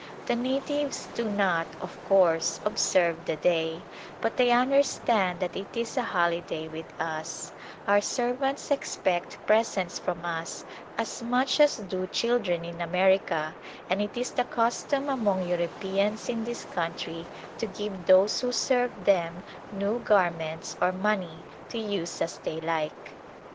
The natives do not, of course, observe the day, but they understand that it is a holiday with uSc Our servants expect presents First Hot Season from us as much as do children in America and it is the custom among Europeans in this country to give those who serve them new garments or money to use as they like.